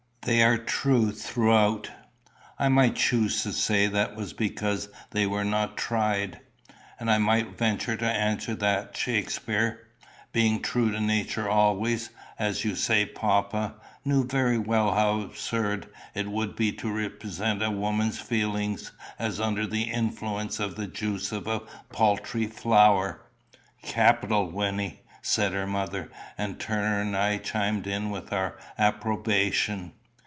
They are true throughout." "I might choose to say that was because they were not tried." "And I might venture to answer that Shakspere being true to nature always, as you say, papa knew very well how absurd it would be to represent a woman's feelings as under the influence of the juice of a paltry flower." "Capital, Wynnie!" said her mother; and Turner and I chimed in with our approbation.